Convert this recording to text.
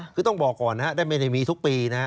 คือต้องบอกก่อนนะไม่ได้มีทุกปี